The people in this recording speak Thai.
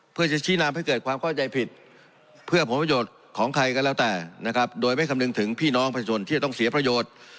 เพื่อจะชี้นำให้เกิดความเข้าใจผิดเพื่อผลประโยชน์ของใครก็แล้วแต่นะครับโดยไม่คำนึงถึงพี่น้องประชาชนที่จะต้องเสียประโยชน์